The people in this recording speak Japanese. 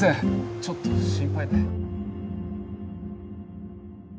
ちょっと心配で。